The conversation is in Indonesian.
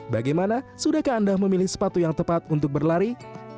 bagaimana sudahkah anda memilih sepatu yang tepat untuk berlari